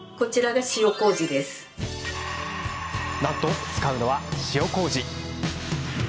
なんと、使うのは塩こうじ。